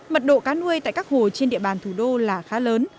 mật độ cá nuôi tại các hồ trên địa bàn thủ đô là khá lớn